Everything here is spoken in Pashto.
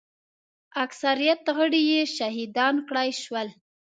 اکثریت غړي یې شهیدان کړای شول.